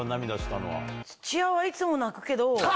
土屋はいつも泣くけど。